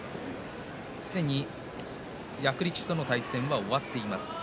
すでに役力士との対戦が終わっています。